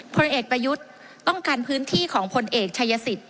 พลเอกประยุทธ์ต้องการพื้นที่ของพลเอกชายสิทธิ